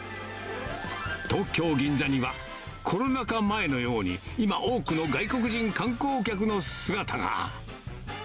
東京・銀座には、コロナ禍前のように、今、多くの外国人観光客の姿が。